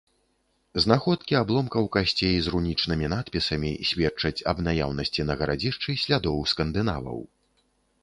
Знаходкі абломкаў касцей з рунічнымі надпісамі сведчаць аб наяўнасці на гарадзішчы слядоў скандынаваў.